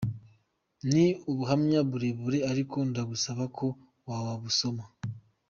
Ni ubuhamya burebure, ariko ndagusaba ko wabusoma, .